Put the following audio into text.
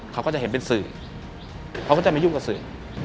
เขาก็จะเห็นเป็นสื่อเขาก็จะมายุ่งกับสื่อ